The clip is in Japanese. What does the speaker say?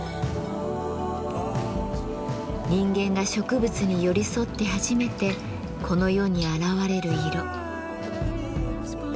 人間が植物に寄り添って初めてこの世に現れる色。